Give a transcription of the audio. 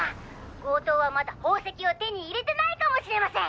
強盗はまだ宝石を手に入れてないかもしれません！